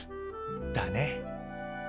だね。